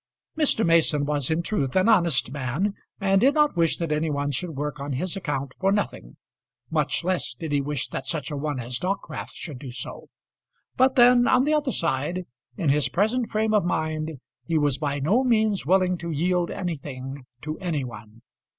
Mr. Mason was in truth an honest man, and did not wish that any one should work on his account for nothing; much less did he wish that such a one as Dockwrath should do so. But then, on the other side, in his present frame of mind he was by no means willing to yield anything to any one.